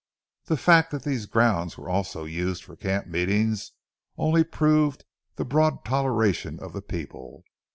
The fact that these grounds were also used for camp meetings only proved the broad toleration of the people.